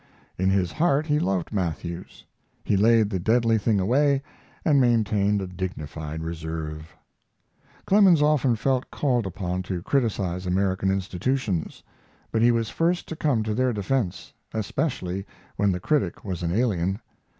In his heart he loved Matthews. He laid the deadly thing away and maintained a dignified reserve. Clemens often felt called upon to criticize American institutions, but he was first to come to their defense, especially when the critic was an alien.